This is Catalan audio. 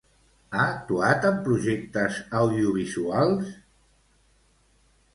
Ha actuat en projectes audiovisuals?